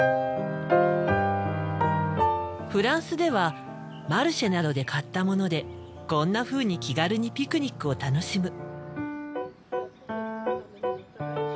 フランスではマルシェなどで買ったものでこんなふうに気軽にピクニックを楽しむ。